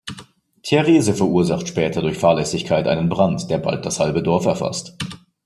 Therese verursacht später durch Fahrlässigkeit einen Brand, der bald das halbe Dorf erfasst.